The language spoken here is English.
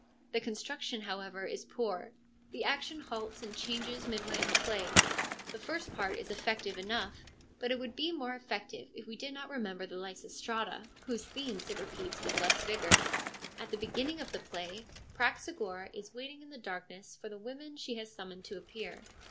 The construction, however, is poor : the action halts and changes midway in the play ; the first part is effective enough, but it would be more effective if we did not remember the Lysistrata, whose themes it repeats with less vigour. At the beginning of the play Praxagora is waiting in the darkness for the women she has summoned to appear.